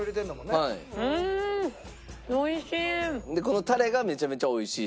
このタレがめちゃめちゃ美味しいと。